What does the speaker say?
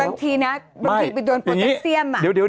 บางทีนะบางทีไปโดนโปรแท็กเซียม